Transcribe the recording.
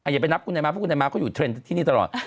อย่าไปนับคุณนายม้าเพราะคุณนายม้าเขาอยู่เทรนด์ที่นี่ตลอด